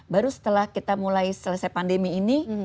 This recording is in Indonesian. baru setelah kita mulai selesai pandemi ini